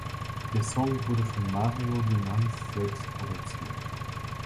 Der Song wurde von Mario Winans selbst produziert.